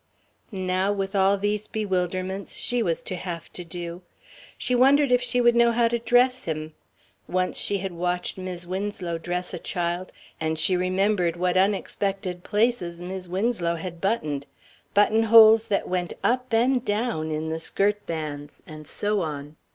Now with all these bewilderments she was to have to do. She wondered if she would know how to dress him. Once she had watched Mis' Winslow dress a child, and she remembered what unexpected places Mis' Winslow had buttoned buttonholes that went up and down in the skirt bands, and so on.